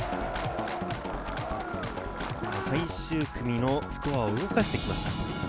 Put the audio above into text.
最終組のスコアを動かしてきました。